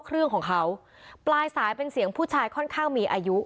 เครื่องของเขาปลายสายเป็นเสียงผู้ชายค่อนข้างมีอายุ